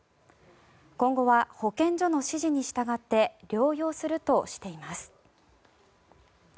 今後は保健所の指示に従って療養するとしています。